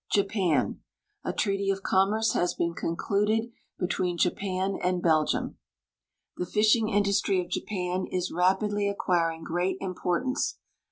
Japan. A treaty of commerce has been concluded between Japan and Belgium. The fisliing industr}'^ of Japan is rajiidly acquiring great importance.